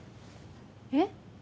えっ？